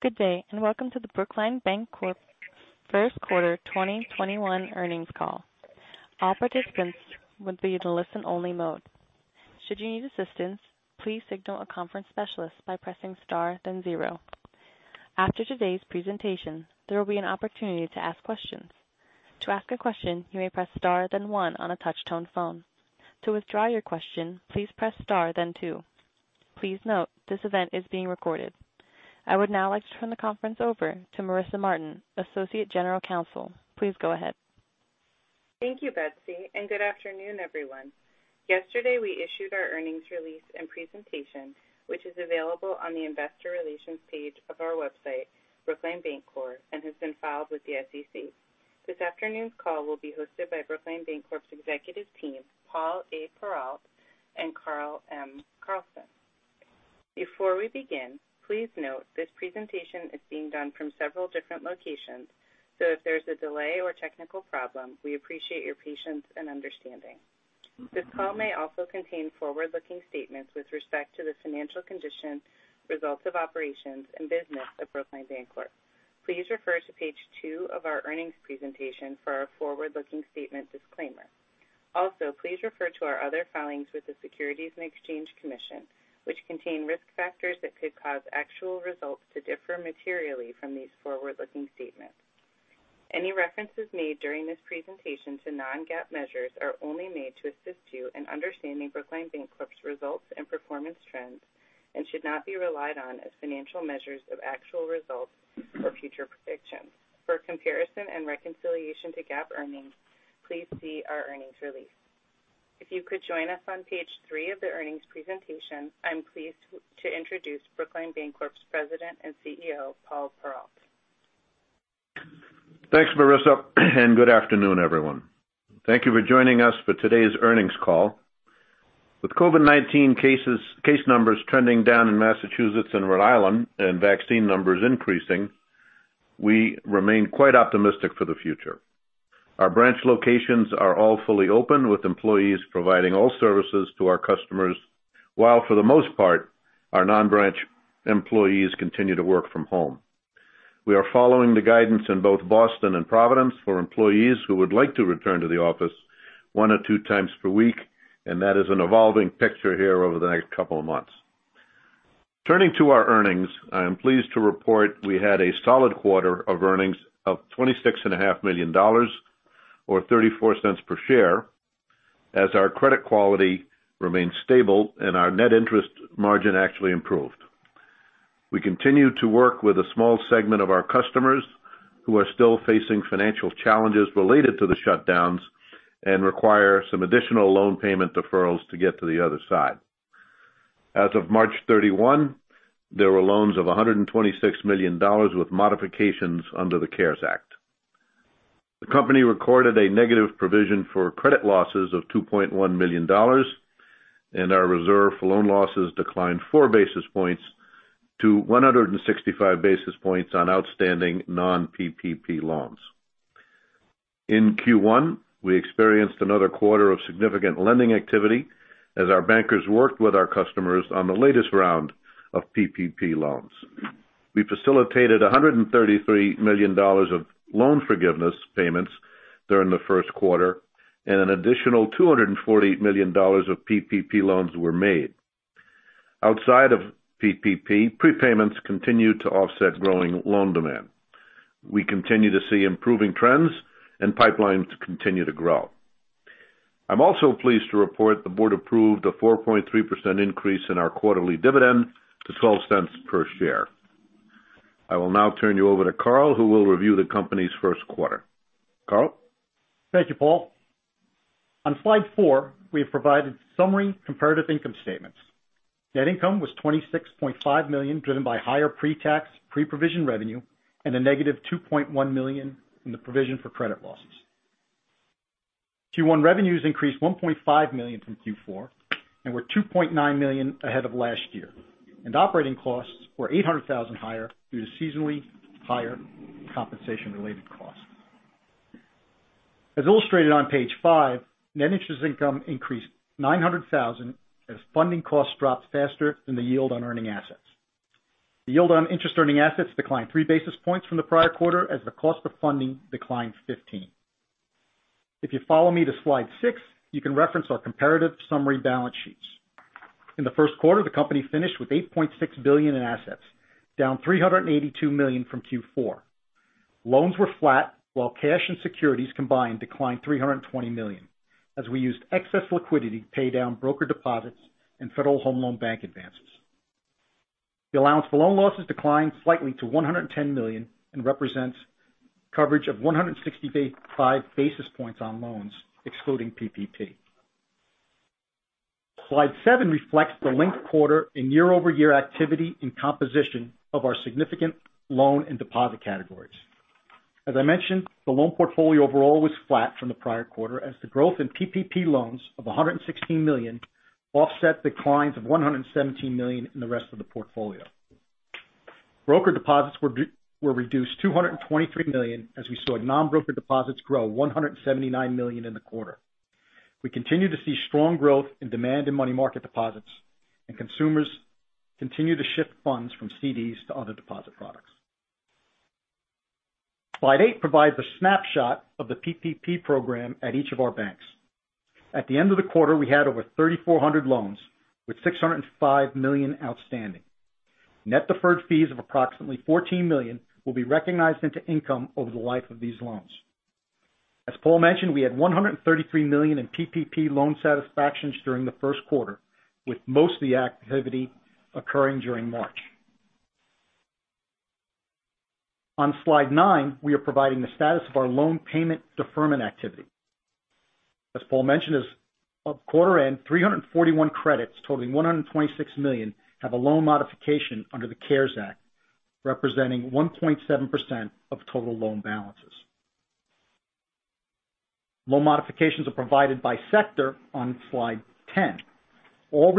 Good day. Welcome to the Brookline Bancorp first quarter 2021 earnings call. All participants will be in listen-only mode. Should you need assistance, please signal a conference specialist by pressing star then zero. After today's presentation, there will be an opportunity to ask questions. To ask a question, you may press star then one on a touch-tone phone. To withdraw your question, please press star then two. Please note, this event is being recorded. I would now like to turn the conference over to Marissa Martin, Associate General Counsel. Please go ahead. Thank you, Betsy, and good afternoon, everyone. Yesterday, we issued our earnings release and presentation, which is available on the Investor Relations page of our website, Brookline Bancorp, and has been filed with the SEC. This afternoon's call will be hosted by Brookline Bancorp's executive team, Paul A. Perrault and Carl M. Carlson. Before we begin, please note this presentation is being done from several different locations, so if there's a delay or technical problem, we appreciate your patience and understanding. This call may also contain forward-looking statements with respect to the financial condition, results of operations, and business of Brookline Bancorp. Please refer to page two of our earnings presentation for our forward-looking statement disclaimer. Please refer to our other filings with the Securities and Exchange Commission, which contain risk factors that could cause actual results to differ materially from these forward-looking statements. Any references made during this presentation to non-GAAP measures are only made to assist you in understanding Brookline Bancorp's results and performance trends and should not be relied on as financial measures of actual results or future predictions. For comparison and reconciliation to GAAP earnings, please see our earnings release. If you could join us on page three of the earnings presentation, I'm pleased to introduce Brookline Bancorp's President and CEO, Paul Perrault. Thanks, Marissa. Good afternoon, everyone. Thank you for joining us for today's earnings call. With COVID-19 case numbers trending down in Massachusetts and Rhode Island and vaccine numbers increasing, we remain quite optimistic for the future. Our branch locations are all fully open with employees providing all services to our customers, while for the most part, our non-branch employees continue to work from home. We are following the guidance in both Boston and Providence for employees who would like to return to the office one or two times per week, and that is an evolving picture here over the next couple of months. Turning to our earnings, I am pleased to report we had a solid quarter of earnings of $26.5 million, or $0.34 per share, as our credit quality remained stable and our net interest margin actually improved. We continue to work with a small segment of our customers who are still facing financial challenges related to the shutdowns and require some additional loan payment deferrals to get to the other side. As of March 31, there were loans of $126 million with modifications under the CARES Act. The company recorded a negative provision for credit losses of $2.1 million, our reserve for loan losses declined 4 basis points-165 basis points on outstanding non-PPP loans. In Q1, we experienced another quarter of significant lending activity as our bankers worked with our customers on the latest round of PPP loans. We facilitated $133 million of loan forgiveness payments during the first quarter. An additional $248 million of PPP loans were made. Outside of PPP, prepayments continued to offset growing loan demand. We continue to see improving trends, pipelines continue to grow. I'm also pleased to report the board approved a 4.3% increase in our quarterly dividend to $0.12 per share. I will now turn you over to Carl, who will review the company's first quarter. Carl? Thank you, Paul. On slide four, we have provided summary comparative income statements. Net income was $26.5 million, driven by higher pre-tax, pre-provision revenue and a -$2.1 million in the provision for credit losses. Q1 revenues increased $1.5 million from Q4 and were $2.9 million ahead of last year, and operating costs were $800,000 higher due to seasonally higher compensation-related costs. As illustrated on page five, net interest income increased $900,000 as funding costs dropped faster than the yield on earning assets. The yield on interest-earning assets declined 3 basis points from the prior quarter as the cost of funding declined 15. If you follow me to slide six, you can reference our comparative summary balance sheets. In the first quarter, the company finished with $8.6 billion in assets, down $382 million from Q4. Loans were flat while cash and securities combined declined $320 million, as we used excess liquidity to pay down broker deposits and Federal Home Loan Bank advances. The allowance for loan losses declined slightly to $110 million and represents coverage of 165 basis points on loans excluding PPP. Slide seven reflects the linked quarter in year-over-year activity and composition of our significant loan and deposit categories. As I mentioned, the loan portfolio overall was flat from the prior quarter as the growth in PPP loans of $116 million offset declines of $117 million in the rest of the portfolio. Broker deposits were reduced $223 million as we saw non-broker deposits grow $179 million in the quarter. We continue to see strong growth in demand in money market deposits, and consumers continue to shift funds from CDs to other deposit products. Slide eight provides a snapshot of the PPP program at each of our banks. At the end of the quarter, we had over 3,400 loans with $605 million outstanding. Net deferred fees of approximately $14 million will be recognized into income over the life of these loans. As Paul mentioned, we had $133 million in PPP loan satisfactions during the first quarter, with most of the activity occurring during March. On slide nine, we are providing the status of our loan payment deferment activity. As Paul mentioned, as of quarter end, 341 credits totaling $126 million have a loan modification under the CARES Act, representing 1.7% of total loan balances. Loan modifications are provided by sector on slide 10. All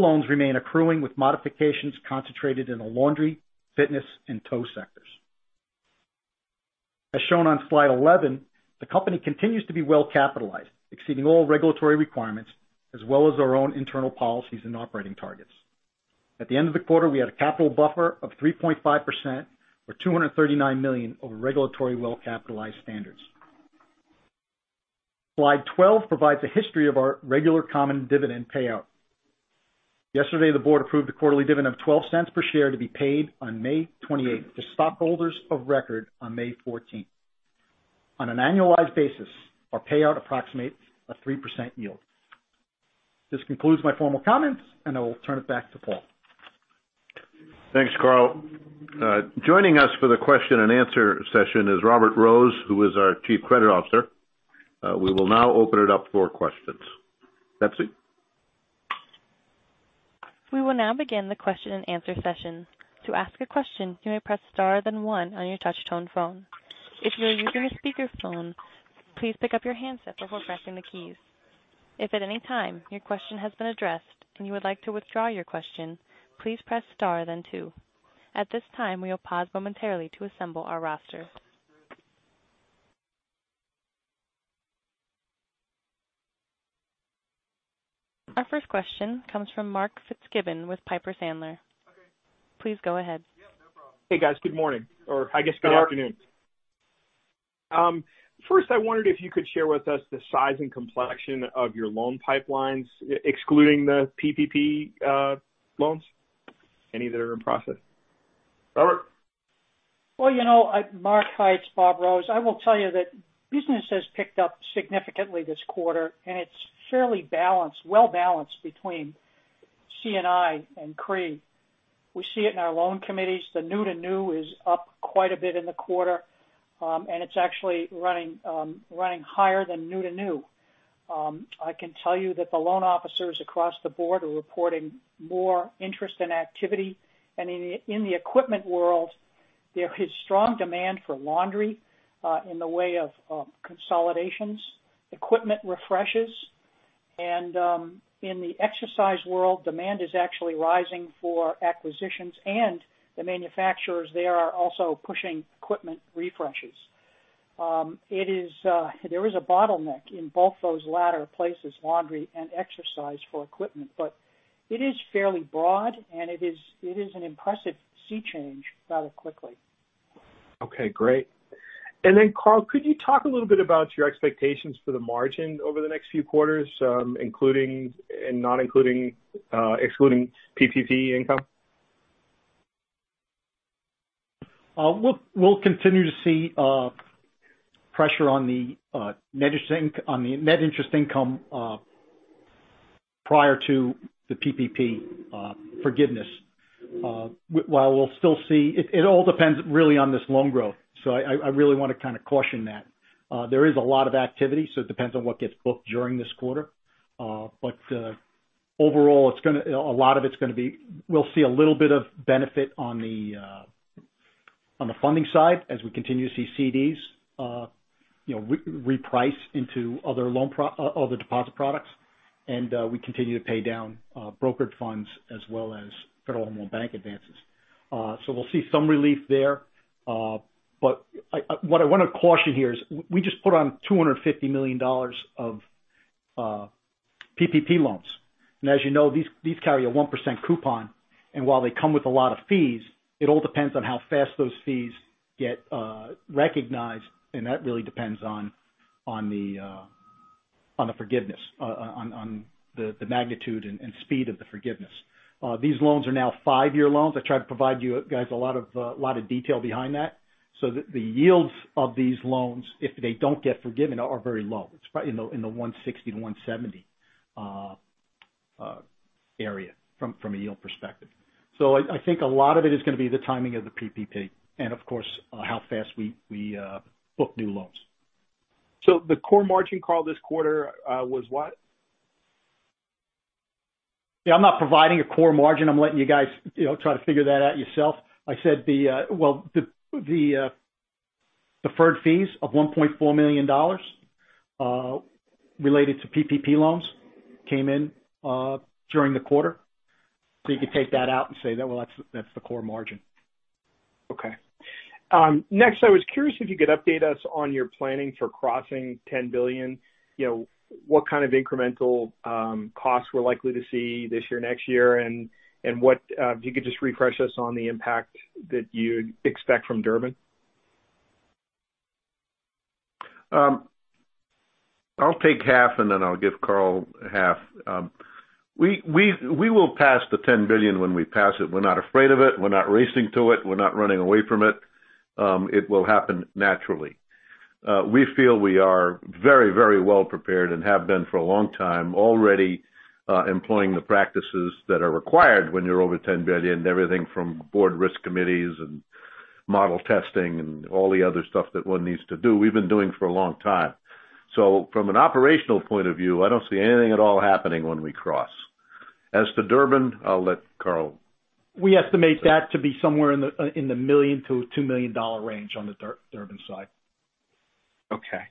loans remain accruing with modifications concentrated in the laundry, fitness, and tow sectors. As shown on slide 11, the company continues to be well capitalized, exceeding all regulatory requirements as well as our own internal policies and operating targets. At the end of the quarter, we had a capital buffer of 3.5%, or $239 million over regulatory well-capitalized standards. Slide 12 provides a history of our regular common dividend payout. Yesterday, the board approved a quarterly dividend of $0.12 per share to be paid on May 28th to stockholders of record on May 14th. On an annualized basis, our payout approximates a 3% yield. This concludes my formal comments, and I will turn it back to Paul. Thanks, Carl. Joining us for the question-and-answer session is Robert Rose, who is our Chief Credit Officer. We will now open it up for questions. Betsy? We will now begin the question-and-answer session. To ask a question, you may press star then one on your touch-tone phone. If you are using a speakerphone, please pick up your handset before pressing the keys. If at any time your question has been addressed and you would like to withdraw your question, please press star then two. At this time, we will pause momentarily to assemble our roster. Our first question comes from Mark Fitzgibbon with Piper Sandler. Please go ahead. Hey, guys. Good morning. I guess good afternoon. First, I wondered if you could share with us the size and complexion of your loan pipelines, excluding the PPP loans, any that are in process? Robert? Mark, hi. It's Bob Rose. I will tell you that business has picked up significantly this quarter, and it's fairly well-balanced between C&I and CRE. We see it in our loan committees. The new-to-new is up quite a bit in the quarter, and it's actually running higher than new-to-new. I can tell you that the loan officers across the board are reporting more interest and activity. In the equipment world, there is strong demand for laundry in the way of consolidations, equipment refreshes. In the exercise world, demand is actually rising for acquisitions and the manufacturers there are also pushing equipment refreshes. There is a bottleneck in both those latter places, laundry and exercise for equipment, but it is fairly broad, and it is an impressive sea change rather quickly. Okay, great. Carl, could you talk a little bit about your expectations for the margin over the next few quarters, excluding PPP income? We'll continue to see pressure on the net interest income prior to the PPP forgiveness. It all depends really on this loan growth. I really want to kind of caution that. There is a lot of activity, it depends on what gets booked during this quarter. Overall, we'll see a little bit of benefit on the funding side as we continue to see CDs reprice into other deposit products. We continue to pay down brokered funds as well as Federal Home Loan Bank advances. We'll see some relief there. What I want to caution here is we just put on $250 million of PPP loans. As you know, these carry a 1% coupon. While they come with a lot of fees, it all depends on how fast those fees get recognized, and that really depends on the forgiveness, on the magnitude and speed of the forgiveness. These loans are now five-year loans. I tried to provide you guys a lot of detail behind that. The yields of these loans, if they don't get forgiven, are very low. It's probably in the 160-170 area from a yield perspective. I think a lot of it is going to be the timing of the PPP and of course, how fast we book new loans. The core margin, Carl, this quarter was what? Yeah, I'm not providing a core margin. I'm letting you guys try to figure that out yourself. I said the deferred fees of $1.4 million related to PPP loans came in during the quarter. You could take that out and say that's the core margin. Okay. Next, I was curious if you could update us on your planning for crossing $10 billion. What kind of incremental costs we're likely to see this year, next year, and if you could just refresh us on the impact that you'd expect from Durbin? I'll take half, and then I'll give Carl half. We will pass the $10 billion when we pass it. We're not afraid of it. We're not racing to it. We're not running away from it. It will happen naturally. We feel we are very well-prepared and have been for a long time, already employing the practices that are required when you're over $10 billion. Everything from board risk committees and model testing and all the other stuff that one needs to do, we've been doing for a long time. From an operational point of view, I don't see anything at all happening when we cross. As to Durbin, I'll let Carl. We estimate that to be somewhere in the $1 million-$2 million range on the Durbin side. Okay.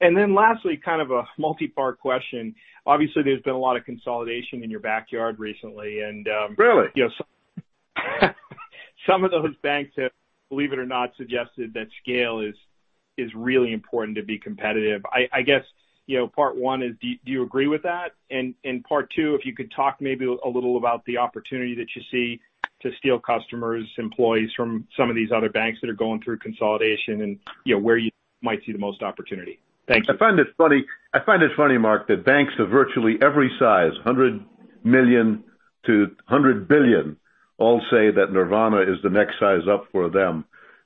Then lastly, kind of a multi-part question. Obviously, there's been a lot of consolidation in your backyard recently. Really? Some of those banks have, believe it or not, suggested that scale is really important to be competitive. I guess part one is, do you agree with that? Part two, if you could talk maybe a little about the opportunity that you see to steal customers, employees from some of these other banks that are going through consolidation and where you might see the most opportunity. Thank you. I find it funny, Mark, that banks of virtually every size, $100 million-$100 billion, all say that nirvana is the next size up for them.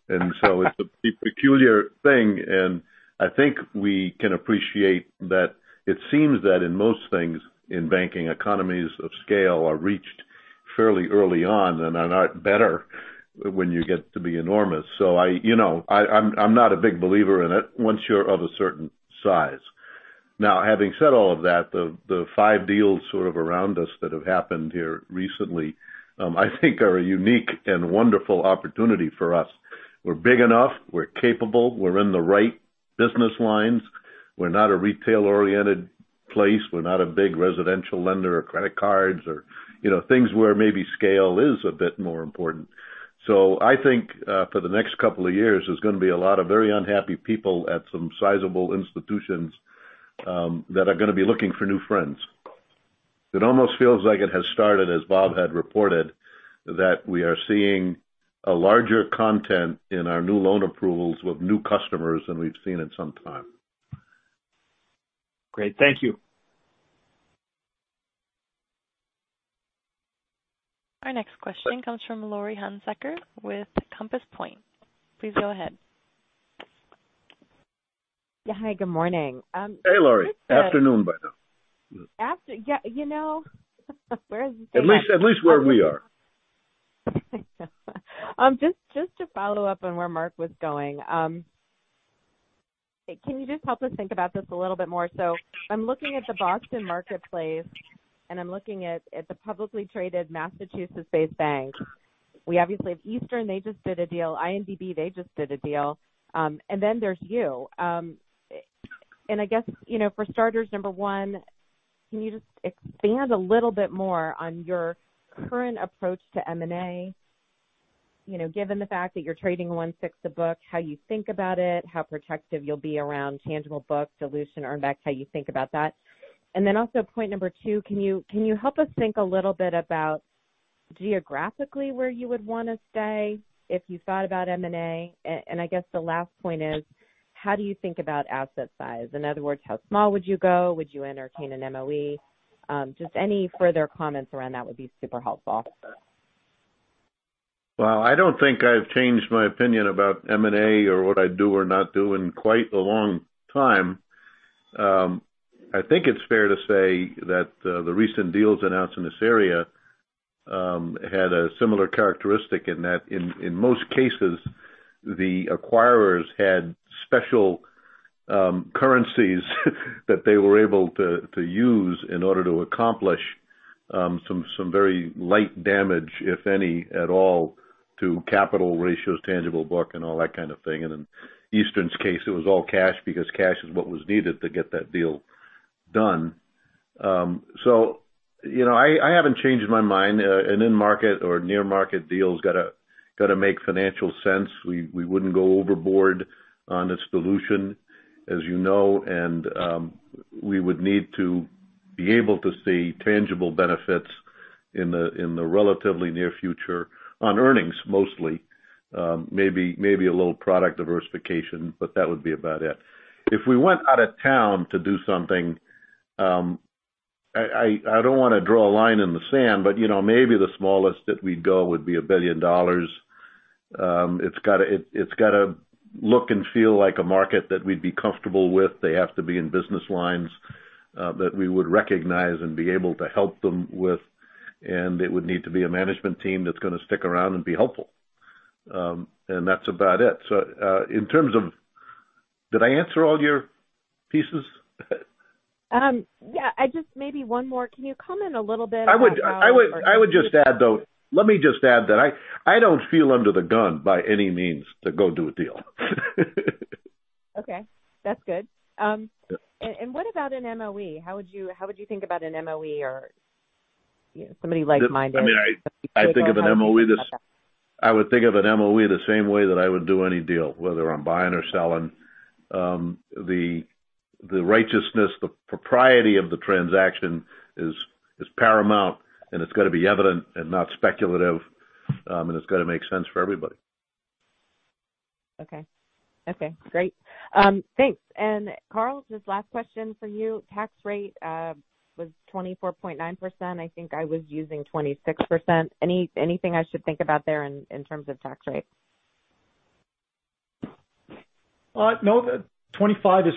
It's a peculiar thing, and I think we can appreciate that it seems that in most things in banking, economies of scale are reached fairly early on and are better when you get to be enormous. I'm not a big believer in it once you're of a certain size. Now, having said all of that, the five deals sort of around us that have happened here recently, I think are a unique and wonderful opportunity for us. We're big enough. We're capable. We're in the right business lines. We're not a retail-oriented place. We're not a big residential lender or credit cards or things where maybe scale is a bit more important. I think, for the next couple of years, there's going to be a lot of very unhappy people at some sizable institutions that are going to be looking for new friends. It almost feels like it has started, as Bob had reported, that we are seeing a larger content in our new loan approvals with new customers than we've seen in some time. Great. Thank you. Our next question comes from Laurie Hunsicker with Compass Point. Please go ahead. Yeah Hi, good morning. Hey, Laurie. Afternoon by now. Yeah. Where is the time? At least where we are. Just to follow up on where Mark was going. Can you just help us think about this a little bit more? I'm looking at the Boston marketplace, and I'm looking at the publicly traded Massachusetts-based bank. We obviously have Eastern. They just did a deal. INDB, they just did a deal. Then there's you. I guess, for starters, number one, can you just expand a little bit more on your current approach to M&A? Given the fact that you're trading 1/6 a book, how you think about it, how protective you'll be around tangible book dilution earn-backs, how you think about that. Then also point number two, can you help us think a little bit about geographically where you would want to stay if you thought about M&A? I guess the last point is, how do you think about asset size? In other words, how small would you go? Would you entertain an MOE? Any further comments around that would be super helpful. Well, I don't think I've changed my opinion about M&A or what I do or not do in quite a long time. I think it's fair to say that the recent deals announced in this area had a similar characteristic in that in most cases, the acquirers had special currencies that they were able to use in order to accomplish some very light damage, if any at all, to capital ratios, tangible book, and all that kind of thing. In Eastern's case, it was all cash because cash is what was needed to get that deal done. I haven't changed my mind. An in-market or near-market deal's got to make financial sense. We wouldn't go overboard on its dilution, as you know, and we would need to be able to see tangible benefits in the relatively near future on earnings mostly. Maybe a little product diversification, that would be about it. If we went out of town to do something, I don't want to draw a line in the sand, maybe the smallest that we'd go would be $1 billion. It's got to look and feel like a market that we'd be comfortable with. They have to be in business lines that we would recognize and be able to help them with, it would need to be a management team that's going to stick around and be helpful. That's about it. Did I answer all your pieces? Yeah. Just maybe one more. Can you comment a little bit on- I would just add, let me just add that I don't feel under the gun by any means to go do a deal. Okay. That's good. Yeah. What about an MOE? How would you think about an MOE or somebody like-minded? I would think of an MOE the same way that I would do any deal, whether I am buying or selling. The righteousness, the propriety of the transaction is paramount, and it has got to be evident and not speculative, and it has got to make sense for everybody. Okay. Great. Thanks. Carl, just last question for you. Tax rate was 24.9%. I think I was using 26%. Anything I should think about there in terms of tax rate? No. 25% is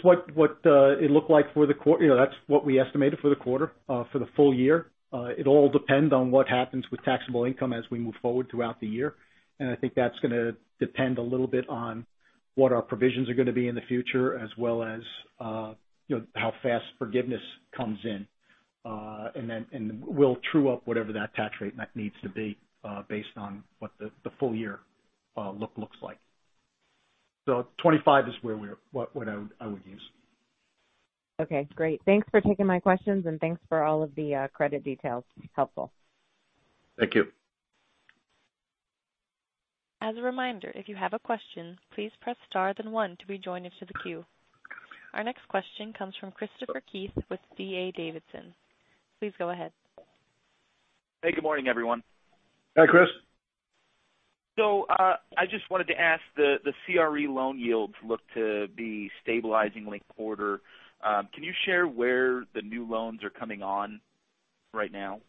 what we estimated for the quarter for the full year. It'll all depend on what happens with taxable income as we move forward throughout the year. I think that's going to depend a little bit on what our provisions are going to be in the future as well as how fast forgiveness comes in. We'll true up whatever that tax rate needs to be based on what the full year looks like. 25% is what I would use. Okay, great. Thanks for taking my questions and thanks for all of the credit details. Helpful. Thank you. As a reminder, if you have a question, please press star then one to be joined into the queue. Our next question comes from Christopher Keith with D.A. Davidson. Please go ahead. Hey, good morning, everyone. Hi, Chris. I just wanted to ask the CRE loan yields look to be stabilizing late quarter. Can you share where the new loans are coming on right now?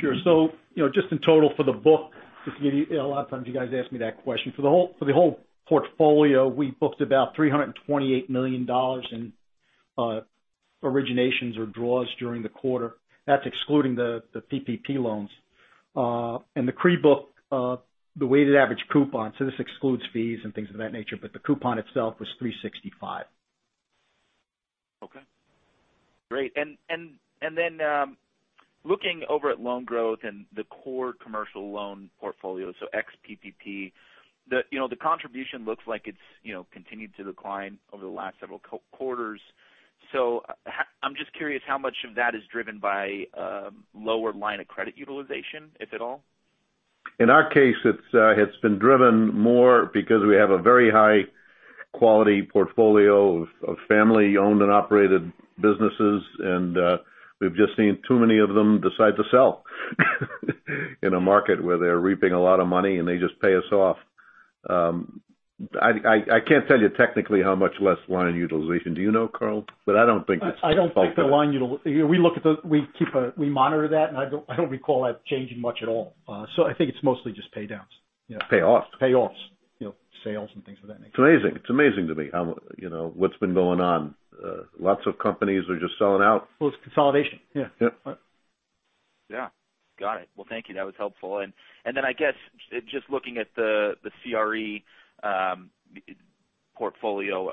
Sure. Just in total for the book, a lot of times you guys ask me that question. For the whole portfolio, we booked about $328 million in originations or draws during the quarter. That's excluding the PPP loans. The CRE book, the weighted average coupon, this excludes fees and things of that nature, but the coupon itself was $365 million. Okay. Great. Looking over at loan growth and the core commercial loan portfolio, ex-PPP, the contribution looks like it's continued to decline over the last several quarters. I'm just curious how much of that is driven by lower line of credit utilization, if at all? In our case, it's been driven more because we have a very high-quality portfolio of family-owned and operated businesses, and we've just seen too many of them decide to sell in a market where they're reaping a lot of money, and they just pay us off. I can't tell you technically how much less line utilization. Do you know, Carl? We monitor that, and I don't recall that changing much at all. I think it's mostly just paydowns. Yeah. Payoffs. Payoffs, sales and things of that nature. It's amazing to me what's been going on. Lots of companies are just selling out. Well, it's consolidation. Yeah. Yeah. Yeah. Got it. Well, thank you. That was helpful. I guess, just looking at the CRE portfolio,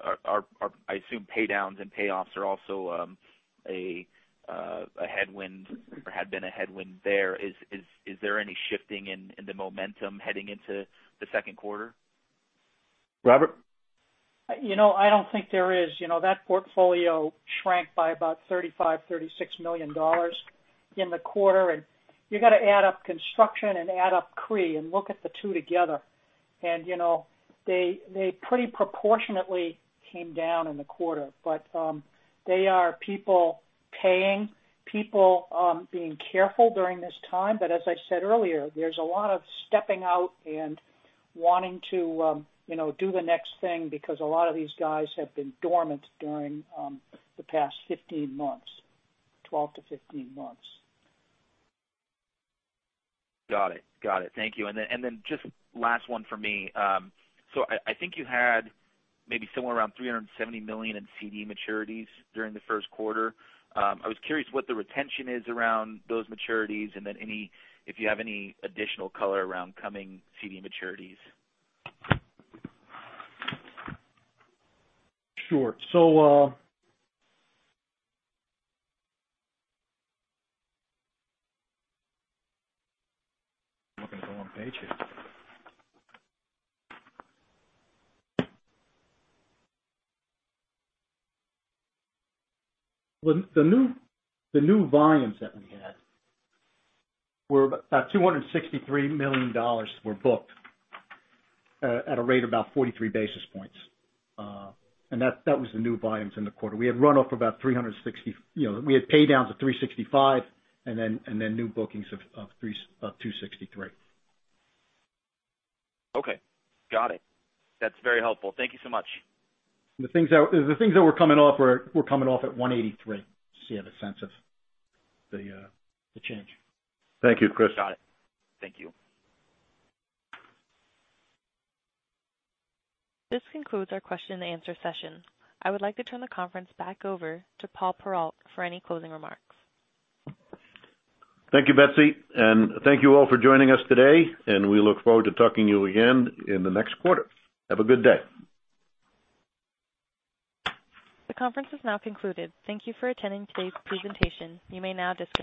I assume pay downs and payoffs are also a headwind or had been a headwind there. Is there any shifting in the momentum heading into the second quarter? Robert? I don't think there is. That portfolio shrank by about $35 million, $36 million in the quarter. You got to add up construction and add up CRE and look at the two together. They pretty proportionately came down in the quarter. They are people paying, people being careful during this time. As I said earlier, there's a lot of stepping out and wanting to do the next thing because a lot of these guys have been dormant during the past 15 months, 12-15 months. Got it. Thank you. Just last one for me. I think you had maybe somewhere around $370 million in CD maturities during the first quarter. I was curious what the retention is around those maturities and then if you have any additional color around coming CD maturities. Sure. I'm looking at the wrong page here. The new volumes that we had were about $263 million were booked at a rate of about 43 basis points. That was the new volumes in the quarter. We had pay-downs of $365 million and then new bookings of $263 million. Okay. Got it. That's very helpful. Thank you so much. The things that were coming off were coming off at $183 million, just so you have a sense of the change. Thank you, Chris. Got it. Thank you. This concludes our question-and-answer session. I would like to turn the conference back over to Paul Perrault for any closing remarks. Thank you, Betsy, thank you all for joining us today, and we look forward to talking to you again in the next quarter. Have a good day. The conference has now concluded. Thank you for attending today's presentation. You may now disconnect.